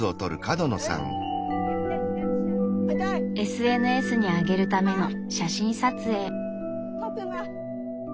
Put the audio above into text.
ＳＮＳにあげるための写真撮影。